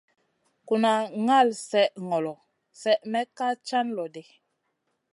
Kuna ŋal slèh ŋolo, slèh may can loɗi.